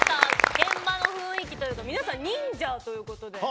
現場の雰囲気というか皆さん忍者ということで。